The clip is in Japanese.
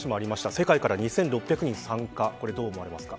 世界から２６００人参加どう思いますか。